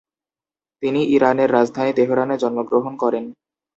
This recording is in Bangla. তিনি ইরানের রাজধানী তেহরানে জন্মগ্রহণ করেন।